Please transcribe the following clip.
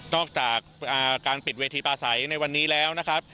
จากการปิดเวทีปลาใสในวันนี้แล้วนะครับ